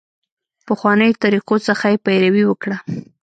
پخوانیو طریقو څخه یې پیروي وکړه.